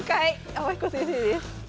天彦先生です。